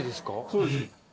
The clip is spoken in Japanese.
そうです。